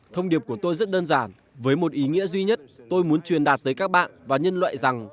thông điệp của tôi rất đơn giản với một ý nghĩa duy nhất tôi muốn truyền đạt tới các bạn và nhân loại rằng